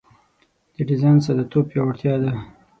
د ډیزاین ساده توب پیاوړتیا ده.